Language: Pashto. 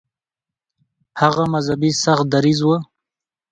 هغه مذهبي سخت دریځه و.